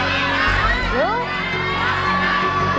ลูก